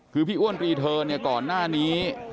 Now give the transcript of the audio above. คือพี่อ้วนปีเทิร์นก่อนหน้านี้